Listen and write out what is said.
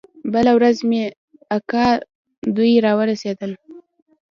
بله ورځ مې اکا دوى راورسېدل.